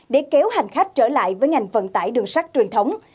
để kéo hành khách trở lại với ngành vận tải đường sắt truyền thống